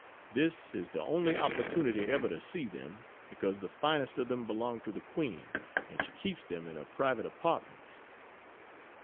This is the only opportunity ever to see them, because the finest of them belong to the queen and she keeps them in her private apartments.